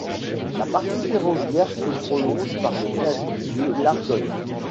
La partie ferroviaire se prolonge par le viaduc de l'Argonne.